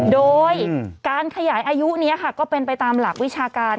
โดยการขยายอายุนี้ก็เป็นไปตามหลักวิชาการ